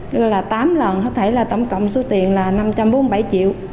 đưa là tám lần có thể là tổng cộng số tiền là năm trăm bốn mươi bảy triệu